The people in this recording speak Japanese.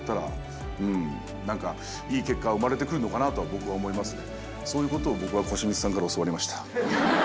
僕は思いますね。